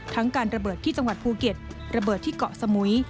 การระเบิดที่จังหวัดภูเก็ตระเบิดที่เกาะสมุย